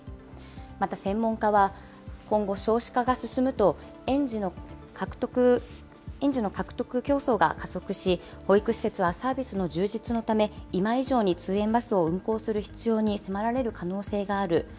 また専門家は、今後、少子化が進むと、園児の獲得競争が加速し、保育施設はサービスの充実のため、今以上に通園バスを運行する必要に迫られる可能性がある。